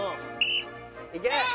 いけ！